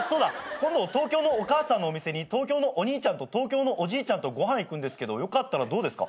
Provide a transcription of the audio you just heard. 今度東京のお母さんのお店に東京のお兄ちゃんと東京のおじいちゃんとご飯行くんですけどよかったらどうですか？